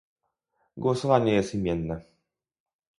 Głosowanie jest imienne